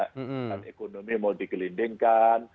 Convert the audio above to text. dan ekonomi mau dikelindingkan